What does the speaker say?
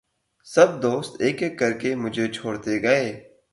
سب دوست ایک ایک کرکے مُجھے چھوڑتے گئے